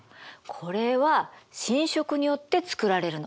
これは侵食によってつくられるの。